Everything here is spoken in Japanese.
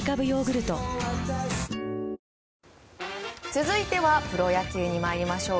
続いてはプロ野球に参りましょう。